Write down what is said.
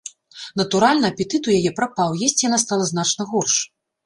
Натуральна, апетыт у яе прапаў, есці яна стала значна горш.